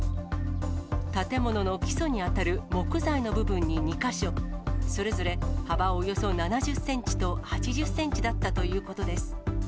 建物の基礎に当たる木材の部分に２か所、それぞれ幅およそ７０センチと８０センチだったということです。